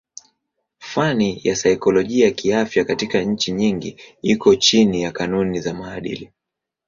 Fani ya saikolojia kiafya katika nchi nyingi iko chini ya kanuni za maadili.